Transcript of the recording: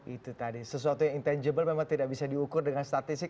itu tadi sesuatu yang intangible memang tidak bisa diukur dengan statistik